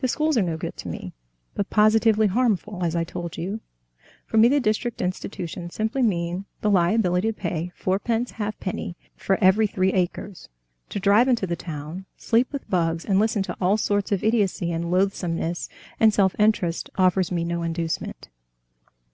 The schools are no good to me, but positively harmful, as I told you. For me the district institutions simply mean the liability to pay fourpence halfpenny for every three acres, to drive into the town, sleep with bugs, and listen to all sorts of idiocy and loathsomeness, and self interest offers me no inducement."